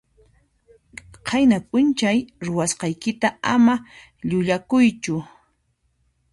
Qayna p'unchay ruwasqaykita ama llullakuychu.